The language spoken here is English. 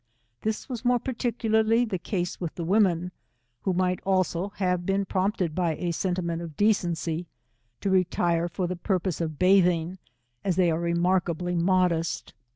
This was more particularly the case with the women, who might also, have been prompted by a sentiment of decency, to retire for the purpose of bathing, as they are remarkably modest.